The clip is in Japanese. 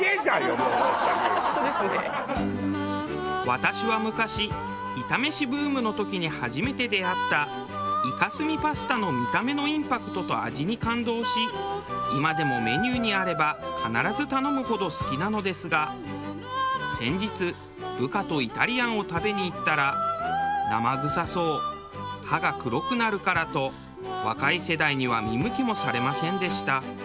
私は昔イタめしブームの時に初めて出会ったイカスミパスタの見た目のインパクトと味に感動し今でもメニューにあれば必ず頼むほど好きなのですが先日部下とイタリアンを食べに行ったら「生臭そう」「歯が黒くなるから」と若い世代には見向きもされませんでした。